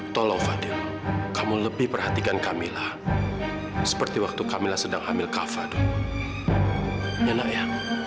tolong fadil kamu lebih perhatikan kamilah seperti waktu kamilah sedang hamil kafadun enak ya